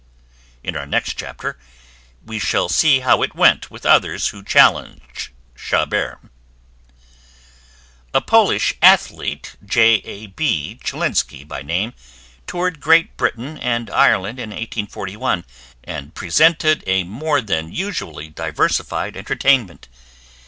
In our next chapter we shall see how it went with others who challenged Chabert. A Polish athlete, J. A. B. Chylinski by name, toured Great Britain and Ireland in 1841, and presented a more than usually diversified entertainment.